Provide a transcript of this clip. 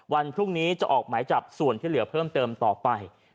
วันพรุ่งนี้จะออกหมายจับส่วนที่เหลือเพิ่มเติมต่อไป